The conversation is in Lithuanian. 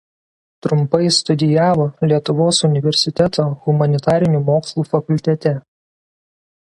Trumpai studijavo Lietuvos universiteto Humanitarinių mokslų fakultete.